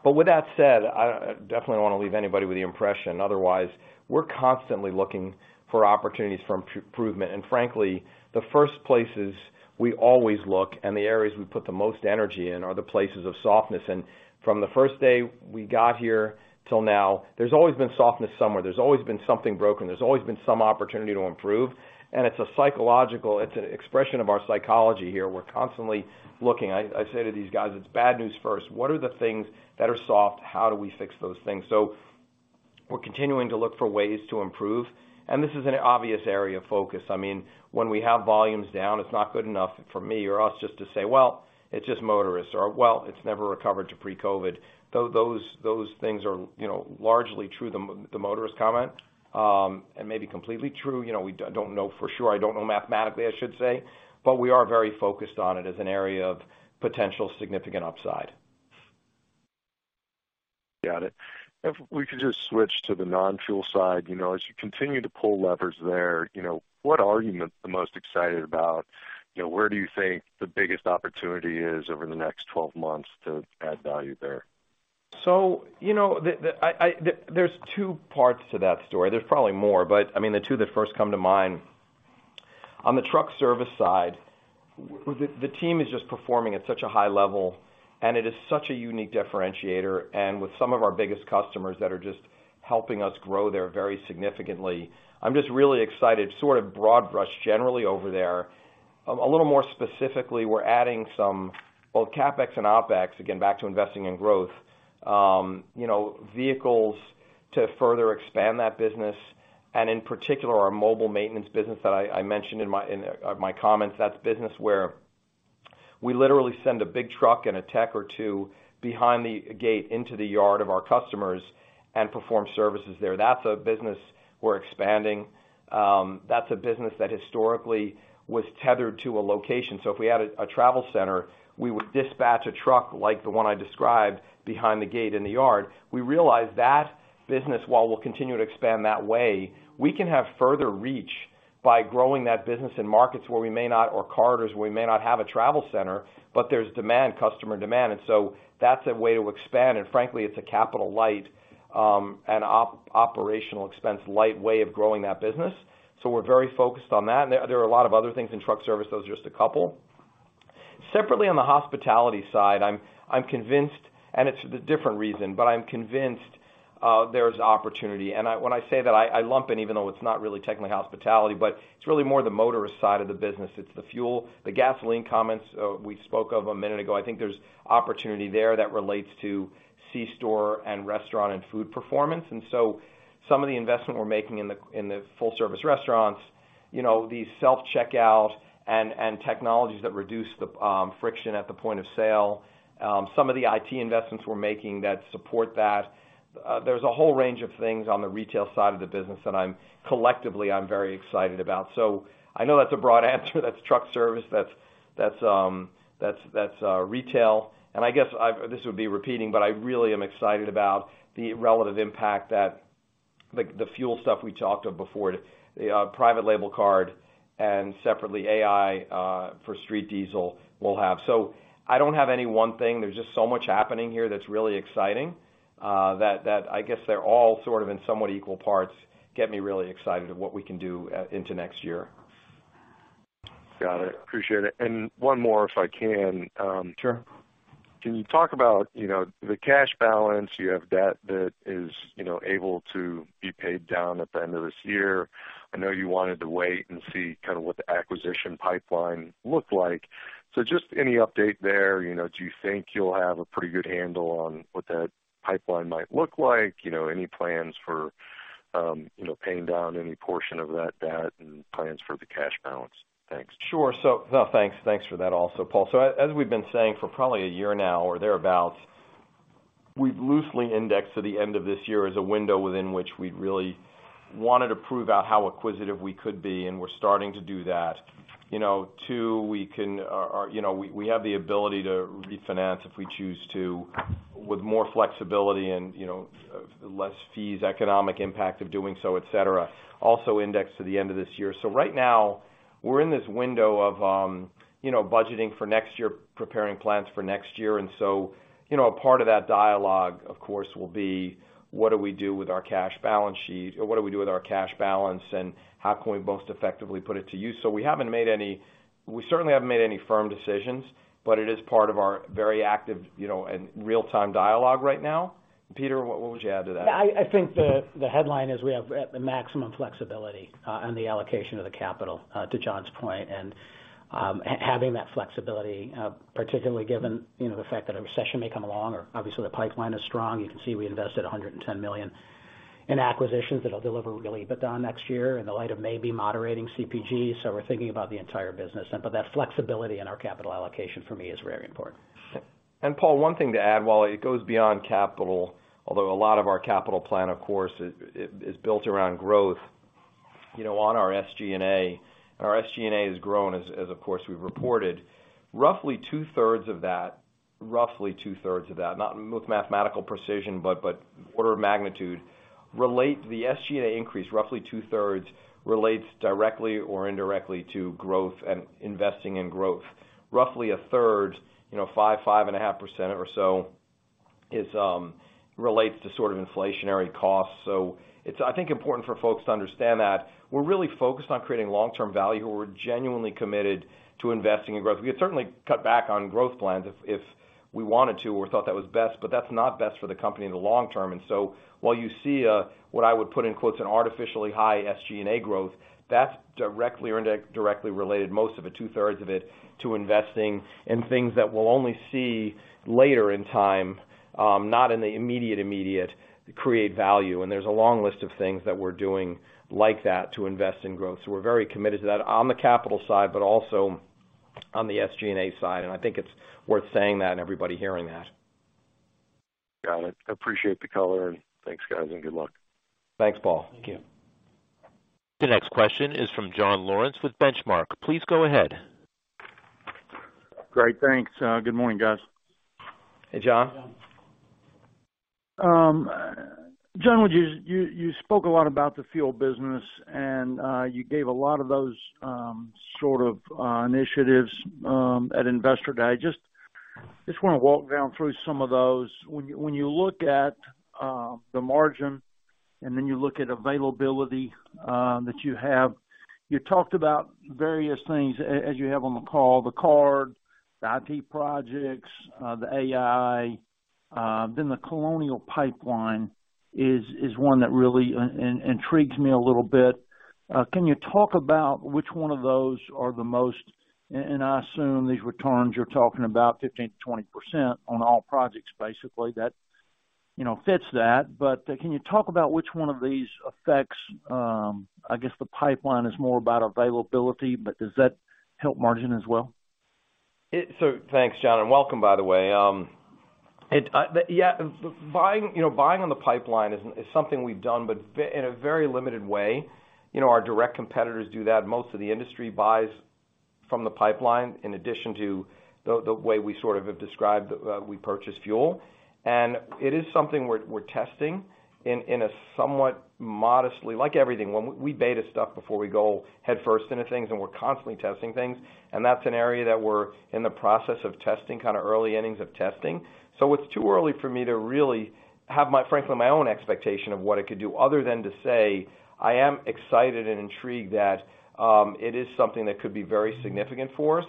Speaker 3: With that said, I definitely don't wanna leave anybody with the impression. Otherwise, we're constantly looking for opportunities for improvement. Frankly, the first places we always look and the areas we put the most energy in are the places of softness. From the first day we got here till now, there's always been softness somewhere. There's always been something broken. There's always been some opportunity to improve. It's an expression of our psychology here. We're constantly looking. I say to these guys, it's bad news first. What are the things that are soft? How do we fix those things? We're continuing to look for ways to improve, and this is an obvious area of focus. I mean, when we have volumes down, it's not good enough for me or us just to say, "Well, it's just motorists," or, "Well, it's never recovered to pre-COVID." Those things are, you know, largely true, the motorist comment, and maybe completely true. You know, we don't know for sure. I don't know mathematically, I should say. We are very focused on it as an area of potential significant upside.
Speaker 7: Got it. If we could just switch to the non-fuel side. You know, as you continue to pull levers there, you know, what are you the most excited about? You know, where do you think the biggest opportunity is over the next twelve months to add value there?
Speaker 3: You know, there's two parts to that story. There's probably more, but I mean, the two that first come to mind. On the truck service side, the team is just performing at such a high level, and it is such a unique differentiator. With some of our biggest customers that are just helping us grow there very significantly, I'm just really excited, sort of broad brush generally over there. A little more specifically, we're adding some both CapEx and OpEx, again, back to investing in growth, you know, vehicles to further expand that business, and in particular, our mobile maintenance business that I mentioned in my comments. That's business where we literally send a big truck and a tech or two behind the gate into the yard of our customers and perform services there. That's a business we're expanding. That's a business that historically was tethered to a location. If we added a travel center, we would dispatch a truck like the one I described behind the gate in the yard. We realized that business, while we'll continue to expand that way, we can have further reach by growing that business in markets where we may not, or corridors where we may not have a travel center, but there's demand, customer demand. That's a way to expand. Frankly, it's a capital light and operational expense light way of growing that business. We're very focused on that. There are a lot of other things in truck service. Those are just a couple. Separately on the hospitality side, I'm convinced, and it's a different reason, but I'm convinced, there's opportunity. I lump in even though it's not really technically hospitality, but it's really more the motorist side of the business. It's the fuel. The gasoline comments we spoke of a minute ago, I think there's opportunity there that relates to C-store and restaurant and food performance. Some of the investment we're making in the full service restaurants, you know, the self-checkout and technologies that reduce the friction at the point of sale. Some of the IT investments we're making that support that. There's a whole range of things on the retail side of the business that I'm collectively very excited about. I know that's a broad answer. That's truck service, that's retail. I guess this would be repeating, but I really am excited about the relative impact that the fuel stuff we talked of before, the private label card and separately AI for street diesel will have. I don't have any one thing. There's just so much happening here that's really exciting, that I guess they're all sort of in somewhat equal parts, get me really excited of what we can do into next year.
Speaker 7: Got it. Appreciate it. One more, if I can.
Speaker 3: Sure.
Speaker 7: Can you talk about, you know, the cash balance? You have debt that is, you know, able to be paid down at the end of this year. I know you wanted to wait and see kinda what the acquisition pipeline looked like. Just any update there. You know, do you think you'll have a pretty good handle on what that pipeline might look like? You know, any plans for You know, paying down any portion of that debt and plans for the cash balance. Thanks.
Speaker 3: Sure. No, thanks for that also, Paul. As we've been saying for probably a year now or thereabouts, we've loosely indexed to the end of this year as a window within which we really wanted to prove out how acquisitive we could be, and we're starting to do that. You know, too, we have the ability to refinance if we choose to with more flexibility and, you know, less fees, economic impact of doing so, et cetera. Also indexed to the end of this year. Right now, we're in this window of, you know, budgeting for next year, preparing plans for next year. You know, a part of that dialogue, of course, will be what do we do with our cash balance sheet? What do we do with our cash balance, and how can we most effectively put it to use? We certainly haven't made any firm decisions, but it is part of our very active, you know, and real-time dialogue right now. Peter, what would you add to that?
Speaker 4: Yeah. I think the headline is we have the maximum flexibility on the allocation of the capital to John's point. Having that flexibility, particularly given, you know, the fact that a recession may come along or obviously the pipeline is strong. You can see we invested $110 million in acquisitions that'll deliver really but on next year in light of maybe moderating CPGs. We're thinking about the entire business then, but that flexibility in our capital allocation for me is very important.
Speaker 3: Paul, one thing to add, while it goes beyond capital, although a lot of our capital plan, of course, is built around growth, you know, on our SG&A, our SG&A has grown as of course we've reported. Roughly two-thirds of that, not with mathematical precision, but order of magnitude relates to the SG&A increase. Roughly two-thirds relates directly or indirectly to growth and investing in growth. Roughly a third, you know, 5.5% or so relates to sort of inflationary costs. It's, I think, important for folks to understand that we're really focused on creating long-term value. We're genuinely committed to investing in growth. We could certainly cut back on growth plans if we wanted to or thought that was best, but that's not best for the company in the long term. While you see a, what I would put in quotes, an artificially high SG&A growth, that's directly or indirectly related, most of it, two-thirds of it, to investing in things that we'll only see later in time, not in the immediate create value. There's a long list of things that we're doing like that to invest in growth. We're very committed to that on the capital side, but also on the SG&A side. I think it's worth saying that and everybody hearing that.
Speaker 7: Got it. Appreciate the color, and thanks, guys, and good luck.
Speaker 3: Thanks, Paul.
Speaker 4: Thank you.
Speaker 1: The next question is from John Lawrence with Benchmark. Please go ahead.
Speaker 8: Great. Thanks. Good morning, guys.
Speaker 3: Hey, John.
Speaker 4: John.
Speaker 8: John, you spoke a lot about the fuel business, and you gave a lot of those sort of initiatives at Investor Day. Just wanna walk through some of those. When you look at the margin, and then you look at availability that you have, you talked about various things as you have on the call, the card, the IT projects, the AI, then the Colonial Pipeline is one that really intrigues me a little bit. Can you talk about which one of those are the most? And I assume these returns, you're talking about 15%-20% on all projects, basically, that you know fits that. Can you talk about which one of these affects, I guess, the pipeline is more about availability, but does that help margin as well?
Speaker 3: Thanks, John, and welcome by the way. Yeah, buying, you know, buying on the pipeline is something we've done, but in a very limited way. You know, our direct competitors do that. Most of the industry buys from the pipeline in addition to the way we sort of have described we purchase fuel. It is something we're testing in a somewhat modest way like everything. When we beta stuff before we go headfirst into things, we're constantly testing things, and that's an area that we're in the process of testing, kind of early innings of testing. It's too early for me to really have my, frankly, my own expectation of what it could do other than to say, I am excited and intrigued that it is something that could be very significant for us.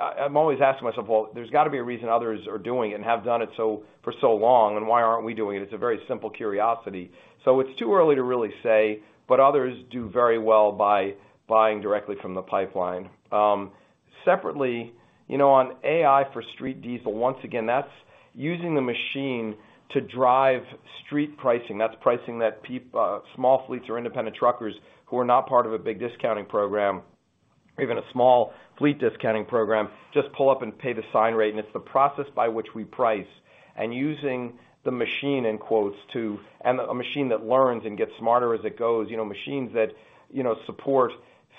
Speaker 3: I'm always asking myself, well, there's gotta be a reason others are doing it and have done it for so long, and why aren't we doing it? It's a very simple curiosity. It's too early to really say, but others do very well by buying directly from the pipeline. Separately, you know, on AI for street diesel, once again, that's using the machine to drive street pricing. That's pricing that small fleets or independent truckers who are not part of a big discounting program or even a small fleet discounting program just pull up and pay the sign rate, and it's the process by which we price. A machine that learns and gets smarter as it goes, you know, machines that, you know, support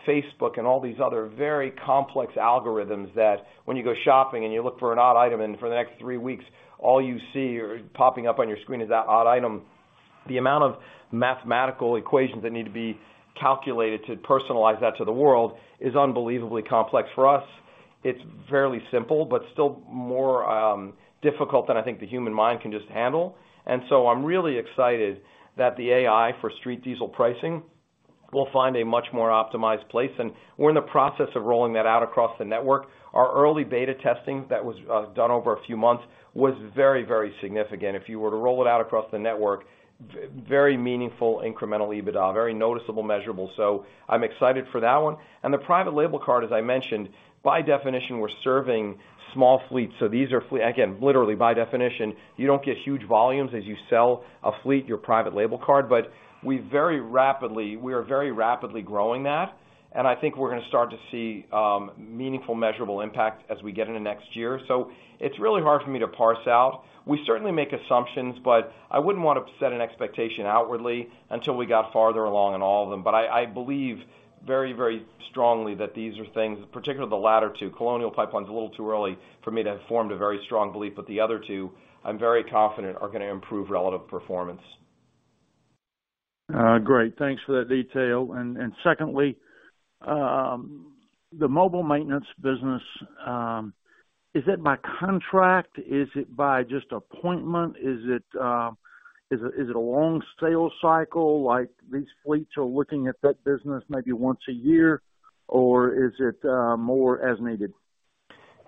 Speaker 3: Facebook and all these other very complex algorithms that when you go shopping and you look for an odd item, and for the next three weeks, all you see are popping up on your screen is that odd item. The amount of mathematical equations that need to be calculated to personalize that to the world is unbelievably complex. For us, it's fairly simple, but still more difficult than I think the human mind can just handle. I'm really excited that the AI for fleet diesel pricing will find a much more optimized place, and we're in the process of rolling that out across the network. Our early beta testing that was done over a few months was very, very significant. If you were to roll it out across the network, very meaningful incremental EBITDA, very noticeable, measurable. I'm excited for that one. The private label card, as I mentioned, by definition, we're serving small fleets. These are fleet. Again, literally by definition, you don't get huge volumes as you sell a fleet your private label card. We are very rapidly growing that, and I think we're gonna start to see, meaningful, measurable impact as we get into next year. It's really hard for me to parse out. We certainly make assumptions, but I wouldn't want to set an expectation outwardly until we got farther along in all of them. I believe very, very strongly that these are things, particularly the latter two. Colonial Pipeline Company is a little too early for me to have formed a very strong belief. The other two, I'm very confident are gonna improve relative performance.
Speaker 8: Great. Thanks for that detail. Secondly, the mobile maintenance business, is it by contract? Is it by just appointment? Is it a long sales cycle, like these fleets are looking at that business maybe once a year? Is it more as needed?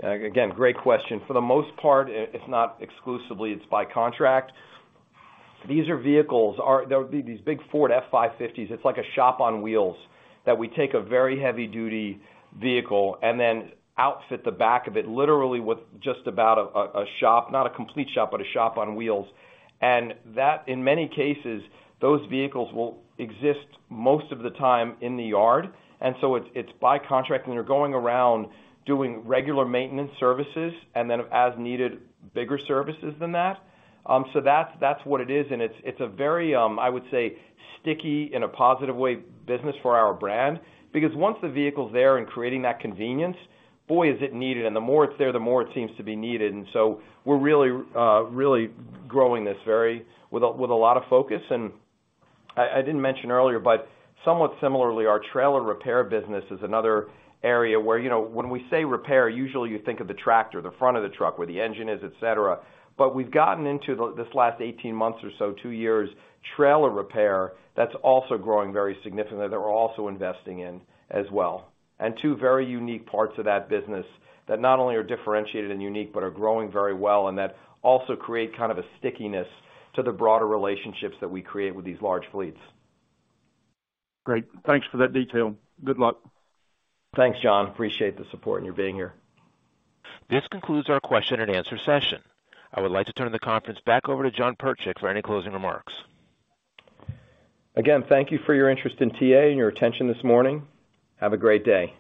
Speaker 3: Again, great question. For the most part, it's not exclusively, it's by contract. These are vehicles. Or they would be these big Ford F-550s. It's like a shop on wheels that we take a very heavy duty vehicle and then outfit the back of it, literally with just about a shop, not a complete shop, but a shop on wheels. That, in many cases, those vehicles will exist most of the time in the yard. It's by contract, and they're going around doing regular maintenance services and then as needed, bigger services than that. That's what it is. It's a very, I would say, sticky in a positive way business for our brand, because once the vehicle's there and creating that convenience, boy, is it needed. The more it's there, the more it seems to be needed. We're really growing this very with a lot of focus. I didn't mention earlier, but somewhat similarly, our trailer repair business is another area where, you know, when we say repair, usually you think of the tractor, the front of the truck, where the engine is, et cetera. But we've gotten into this last 18 months or so, two years, trailer repair, that's also growing very significantly, that we're also investing in as well. Two very unique parts of that business that not only are differentiated and unique, but are growing very well, and that also create kind of a stickiness to the broader relationships that we create with these large fleets.
Speaker 8: Great. Thanks for that detail. Good luck.
Speaker 3: Thanks, John. Appreciate the support and you being here.
Speaker 1: This concludes our question and answer session. I would like to turn the conference back over to Jonathan M. Pertchik for any closing remarks.
Speaker 3: Again, thank you for your interest in TA and your attention this morning. Have a great day.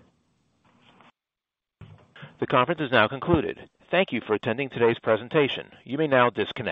Speaker 1: The conference is now concluded. Thank you for attending today's presentation. You may now disconnect.